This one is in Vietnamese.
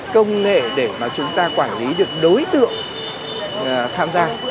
công nghệ để mà chúng ta quản lý được đối tượng tham gia